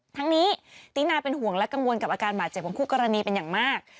ทั้งนี้ติน่าเป็นห่วงและกังวลกับอาการบาดเจ็บของคู่กรณีเป็นอย่างมาก